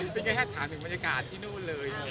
เป็นแค่ถามถึงบรรยากาศที่นู่นเลย